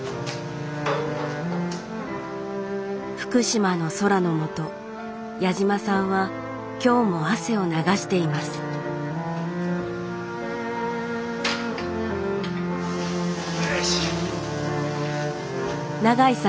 福島の空のもと矢島さんは今日も汗を流していますよいしょ。